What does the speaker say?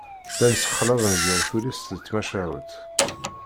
Llan ssexlaḍen gar tullist d tmacahut.